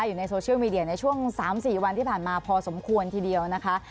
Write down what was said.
อยู่ในโซเชียลมีเดียในช่วง๓๔วันที่ผ่านมาพอสมควรทีเดียวนะคะ